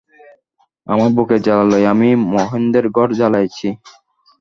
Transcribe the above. আমার বুকের জ্বালা লইয়া আমি মহেন্দ্রের ঘর জ্বালাইয়াছি।